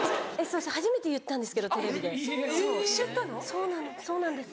そうなのそうなんです。